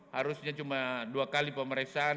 harusnya cuma dua kali pemeriksaan